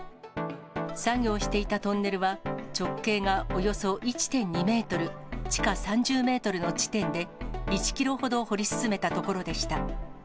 作業していたトンネルは、直径がおよそ１．２メートル、地下３０メートルの地点で、１キロほど掘り進めた所でした。